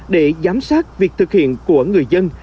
để giám sát việc thực hiện của người dân